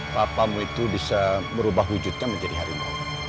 papamu itu bisa berubah wujudnya menjadi harimau